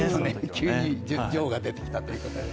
急に女王が出てきたということで。